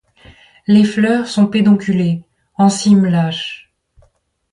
Les fleurs sont pédonculées, en cymes lâches.